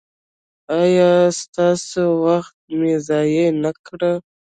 ایا ستاسو وخت مې ضایع نکړ؟